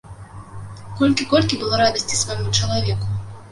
Колькі, колькі было радасці свайму чалавеку.